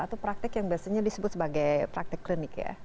atau praktik yang biasanya disebut sebagai praktik klinik ya